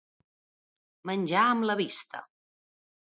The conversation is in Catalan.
Menjar amb la vista.